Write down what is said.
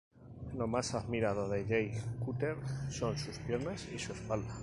Lo más admirado de Jay Cutler son sus piernas y su espalda.